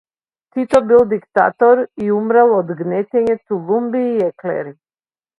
Тито бил диктатор и умрел од гнетење тулумби и еклери.